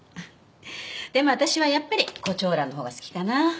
でも私はやっぱり胡蝶蘭のほうが好きかな。